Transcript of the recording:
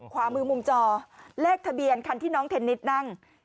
ขวามือมุมจอเลขทะเบียนคันที่น้องเทนนิสนั่ง